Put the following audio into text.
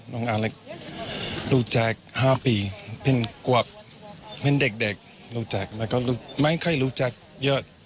น้องอาเล็กดูแจ๊ค๕ปีเป็นกวบเป็นเด็กรู้จักแล้วก็ไม่ค่อยรู้จักเยอะ